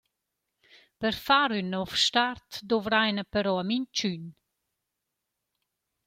Per far ün nouv start dovraina però a minchün.